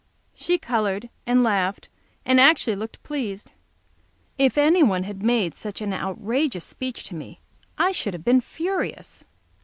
She colored, and laughed, and actually looked pleased. If anyone had made such an outrageous speech to me I should have been furious.